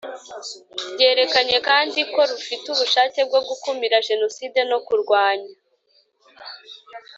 Rwerekanye kandi ko rufite ubushake bwo gukumira Jenoside no kurwanya